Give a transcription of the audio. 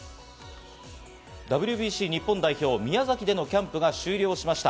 ＷＢＣ日本代表は宮崎でのキャンプが終了しました。